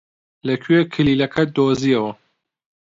لەکوێ کلیلەکەت دۆزییەوە؟